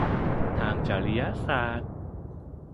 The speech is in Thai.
ทางจริยศาสตร์